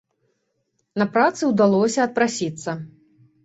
На працы ўдалося адпрасіцца.